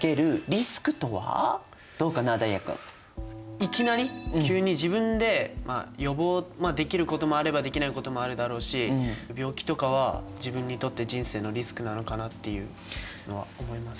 いきなり急に自分で予防できることもあればできないこともあるだろうし病気とかは自分にとって人生のリスクなのかなっていうのは思います。